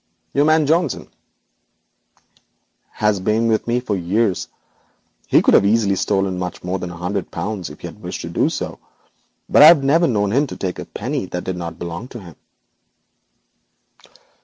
'Your man Johnson ?' 'Has been with me for years. He could easily have stolen much more than the hundred pounds if he had wished to do so, but I have never known him to take a penny that did not belong to him.'